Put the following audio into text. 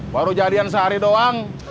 baru jadian sehari doang